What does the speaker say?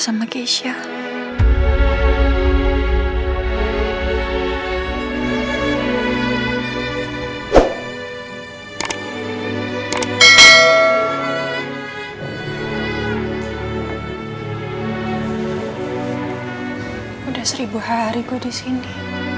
udah seribu hari gue disini